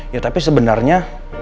ya tapi sebenarnya